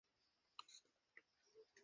সে লিনির রুম থেকে ওকে বের হতে দেখেছিল!